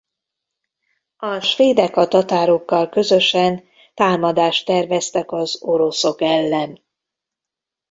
A svédek a tatárokkal közösen támadást terveztek az oroszok ellen.